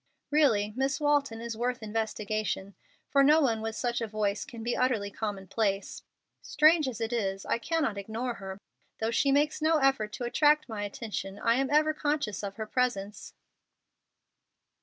Really Miss Walton is worth investigation, for no one with such a voice can be utterly commonplace. Strange as it is, I cannot ignore her. Though she makes no effort to attract my attention, I am ever conscious of her presence."